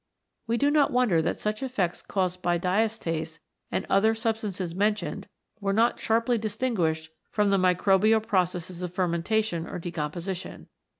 We do not wonder that such effects caused by diastase and the other sub stances mentioned were not sharply distinguished from the microbial processes of fermentation or decomposition.